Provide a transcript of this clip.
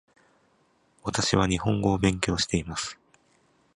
私は日本語を勉強しています